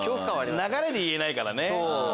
流れで言えないからね。